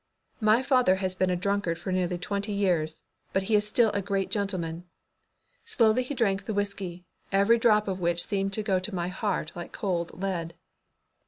My father has been a drunkard for nearly twenty years, but he is still a great gentleman. Slowly he drank the whiskey, every drop of which seemed to go to my heart like cold lead.